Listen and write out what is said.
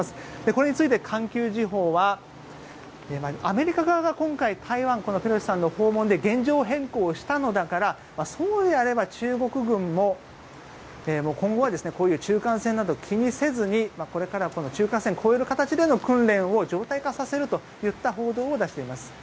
これについて環球時報はアメリカ側が今回ペロシさんの訪問で現状変更したのだからそうであれば中国軍も今後はこういう中間線など気にせずにこれからは中間線を越える形での訓練を常態化させるといった報道を出しています。